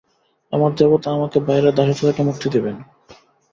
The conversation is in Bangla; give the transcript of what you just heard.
আমার দেবতা আমাকে বাইরের দাসত্ব থেকে মুক্তি দেবেন।